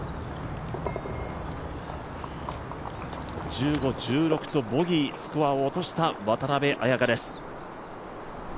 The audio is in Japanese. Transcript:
１５、１６とボギースコアを落とした渡邉彩香です。